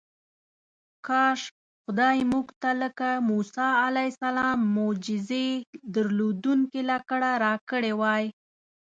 کاش خدای موږ ته لکه موسی علیه السلام معجزې درلودونکې لکړه راکړې وای.